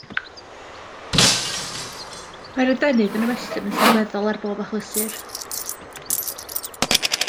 Mae'r adenydd yn ymestyn yn llorweddol ar bob achlysur.